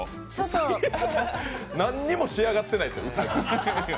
何にも仕上がってないですよ。